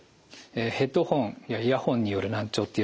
ヘッドホンやイヤホンによる難聴っていうのはですね